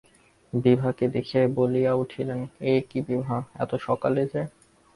বিভাকে দেখিয়াই বলিয়া উঠিলেন, এ কী বিভা, এত সকালে যে?